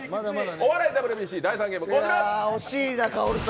お笑いＷＢＣ第３ゲームこちら。